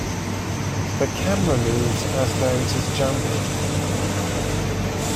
The camera moves as though it is jumping.